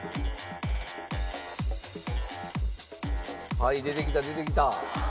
「はい出てきた出てきた」